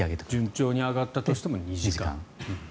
順調に上がったとしても２時間。